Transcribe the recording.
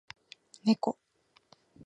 ねこ